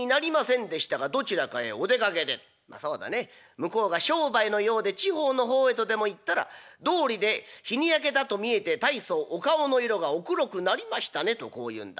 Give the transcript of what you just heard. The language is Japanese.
向こうが『商売の用で地方の方へ』とでも言ったら『どうりで日に焼けたと見えて大層お顔の色がお黒くなりましたね』とこう言うんだ。